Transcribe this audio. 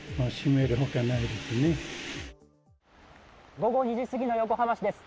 午後２時すぎの横浜市です。